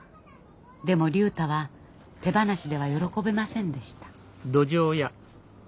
でも竜太は手放しでは喜べませんでした。